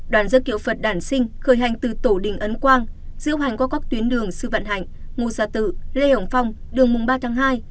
đoàn giấc kiệu phật đản sinh khởi hành từ tổ đình ấn quang diễu hành qua các tuyến đường sư vận hạnh ngô gia tử lê hồng phong đường mùng ba tháng hai